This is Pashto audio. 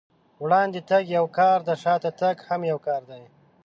وړاندې تګ يو کار دی، شاته تګ هم يو کار دی.